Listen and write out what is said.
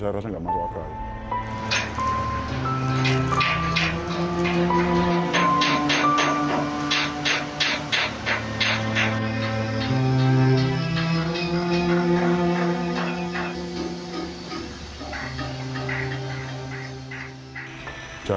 ada satu yang berapa tahun yang pernah mengalami mata merah